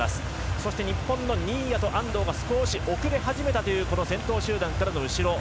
そして、日本の新谷と安藤が少し遅れ始めたというこの先頭集団からの後ろ。